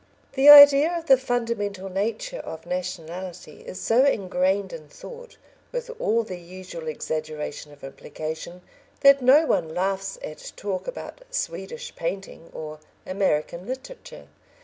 The idea of the fundamental nature of nationality is so ingrained in thought, with all the usual exaggeration of implication, that no one laughs at talk about Swedish painting or American literature.